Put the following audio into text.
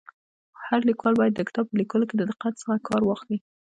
هر لیکوال باید د کتاب په ليکلو کي د دقت څخه کار واخلي.